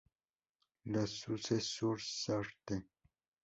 La Suze-sur-Sarthe